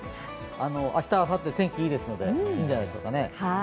明日、あさって天気いいですので、いいんじゃないですかね。